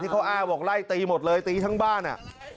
เขาอ้างบอกไล่ตีหมดเลยตีทั้งบ้านอ่ะ